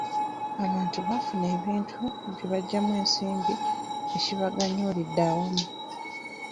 Abantu baaafuna ebintu bye baggyamu ensimbi ekibaganyulidde awamu.